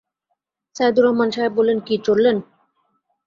সাইদুর রহমান সাহেব বললেন, কি, চললেন?